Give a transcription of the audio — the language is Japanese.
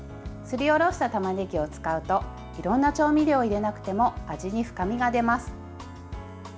すりおろしたたまねぎを使うといろんな調味料を入れなくても味に深みが出ます。